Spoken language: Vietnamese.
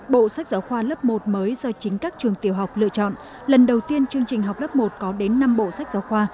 bộ sách giáo khoa lớp một mới do chính các trường tiểu học lựa chọn lần đầu tiên chương trình học lớp một có đến năm bộ sách giáo khoa